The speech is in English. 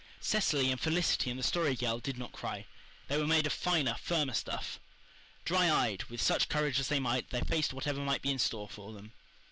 Cecily and Felicity and the Story Girl did not cry. They were made of finer, firmer stuff. Dry eyed, with such courage as they might, they faced whatever might be in store for them.